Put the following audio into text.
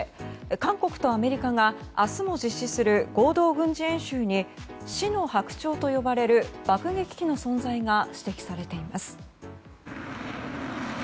韓国とアメリカが明日も実施する合同軍事演習に死の白鳥と呼ばれる爆撃機の存在が指摘されています。